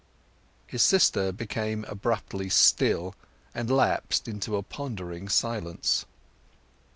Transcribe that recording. His sister became abruptly still, and lapsed into a pondering silence.